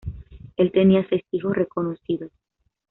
Él tenía seis hijos reconocidos.